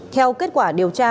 theo kết quả điều tra